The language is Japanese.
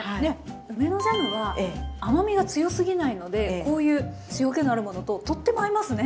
梅のジャムは甘みが強すぎないのでこういう塩気のあるものととっても合いますね。